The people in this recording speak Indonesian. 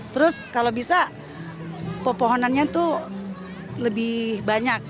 terus kalau bisa pepohonannya tuh lebih banyak